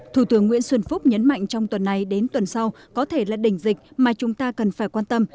thủ tướng nguyễn xuân phúc nhấn mạnh trong tuần này đến tuần sau có thể là đỉnh dịch mà chúng ta cần phải quan tâm